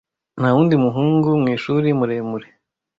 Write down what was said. Nta wundi muhungu mwishuri muremure.